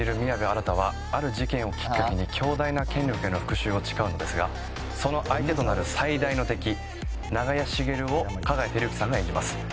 新はある事件をきっかけに強大な権力への復讐を誓うのですがその相手となる最大の敵長屋茂を香川照之さんが演じます。